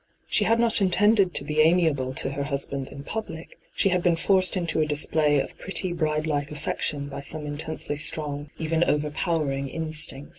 She had not intended to be amiable to her husband in public ; she had been forced into a display of pretty bridelike affection by some intensely strong, even over powering, instinct.